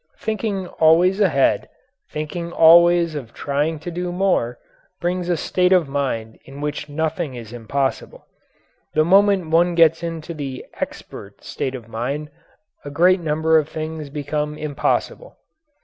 Thinking always ahead, thinking always of trying to do more, brings a state of mind in which nothing is impossible. The moment one gets into the "expert" state of mind a great number of things become impossible.